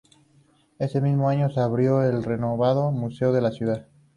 Ese mismo año se abrió el renovado museo de la ciudad.